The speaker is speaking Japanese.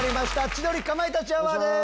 『千鳥かまいたちアワー』です。